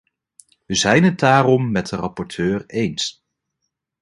We zijn het daarom met de rapporteur eens.